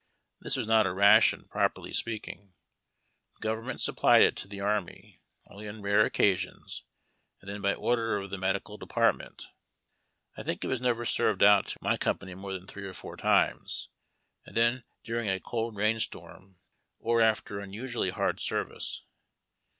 This was not a ration, prop erly speaking. The government supplied it to the army only on rare occasions, and then by order of the medical department. I think it was never served out to my com pany more than three or four times, and then during a cold rainstorm or after unusually hard service.